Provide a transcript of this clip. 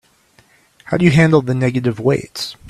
How do you handle the negative weights?